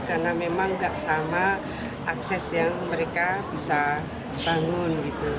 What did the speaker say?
karena memang nggak sama akses yang mereka bisa bangun